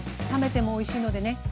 冷めてもおいしいのでね